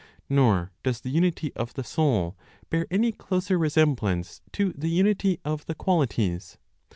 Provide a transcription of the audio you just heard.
Nor does the unity of the soul bear any closer resemblance to the unity of the qualities.